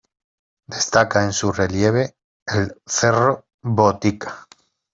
Destaca en su relieve el cerro Botica.